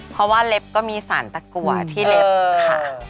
เพราะว่าเล็บก็มีสารตะกัวที่เล็บค่ะ